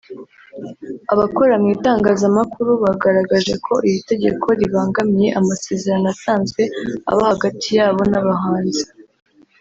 Abakora mu itangazamakuru bagaragaje ko iri tegeko ribangamiye amasezerano asanzwe aba hagati yabo n’abahanzi